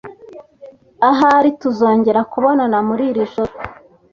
Ahari tuzongera kubonana muri iri joro.